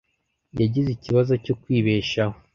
Yagize ikibazo cyo kwibeshaho.